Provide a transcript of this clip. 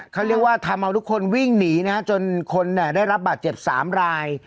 เขาเรียกว่าทำเอาทุกคนวิ่งหนีนะฮะจนคนได้รับบาดเจ็บ๓ราย